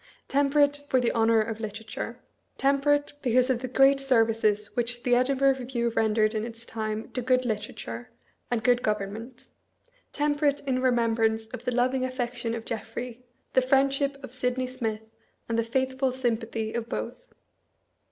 Temperate, for the honor of Literature; tem perate, because of the great services which the Edivhurgh Review rendered in its time to good literature, and good government; temperate ia remembrance of the loving affec tion of Jeffket, the friendship of Sydney Smith, and the faithful sympathy of both.